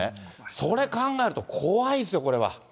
それ考えると、怖いですよ、これは。